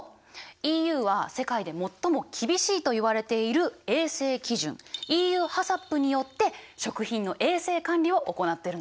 ＥＵは世界で最も厳しいといわれている衛生基準ＥＵＨＡＣＣＰによって食品の衛生管理を行ってるの。